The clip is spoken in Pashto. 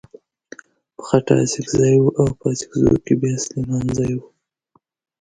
په خټه اڅکزی و او په اڅګزو کې بيا سليمانزی و.